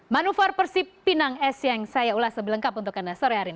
manufar persib pinang esiang saya ulas lebih lengkap untuk anda sore hari ini